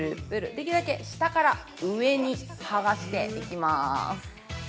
できるだけ下から上に剥がしていきます。